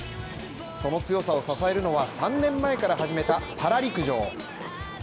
その強さを支えるのは、３年前から始めたパラ陸上。